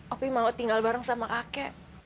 aku mau tinggal bareng sama kakek